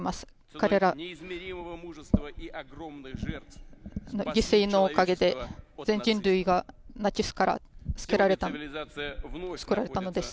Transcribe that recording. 彼らの犠牲のおかげで全人類がナチスから救われたのです。